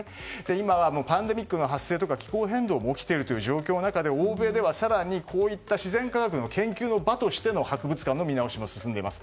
今、パンデミックの発生や気候変動が起きている状況の中で欧米では更にこういった自然科学の研究の場としての博物館の見直しも進んでいます。